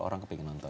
orang kepengen nonton